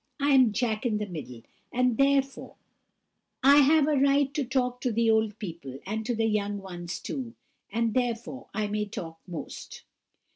I am Jack in the middle; and therefore I have a right to talk to the old people, and to the young ones too; and therefore I may talk most."